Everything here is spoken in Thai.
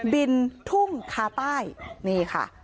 บินทุ่งคาใต้นี่ค่ะ